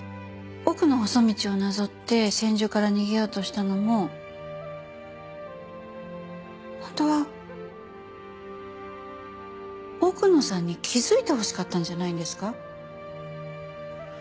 奥の細道をなぞって千住から逃げようとしたのも本当は奥野さんに気づいてほしかったんじゃないんですか？